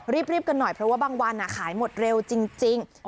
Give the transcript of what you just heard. รีบกันหน่อยเพราะว่าบางวันขายหมดเร็วจริง